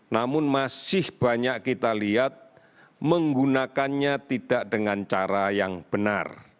namun masih banyak kita lihat menggunakannya tidak dengan cara yang benar